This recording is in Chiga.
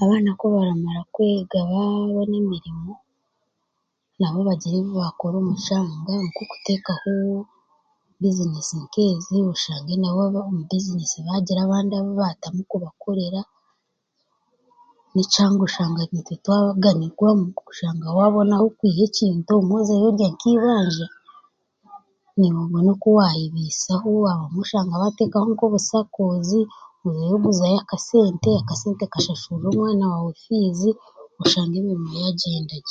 Abaana kubaramara kwega babona emirimo nabo bagire ebi bakora omu kyanga nk'okutekaho bizinesi nkeezi oshange nabo omu bizinesi bagira abandi abu batamu kubakorera n'ekyanga nitwe oshanga twabaganibwamu oshanga wabona ah'okwiha ekintu obumwe ozayo orya nk'eibanja niwe obone okuwayebisaho abamwe oshanga batekaho nkobu SACCO's reero oguzayo aka sente kashashurira omwana waawe fiizi oshange emirimo yaagyenda gye.